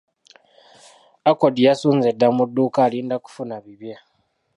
Accord yasonze dda mu dduuka alinda kufuna bibye.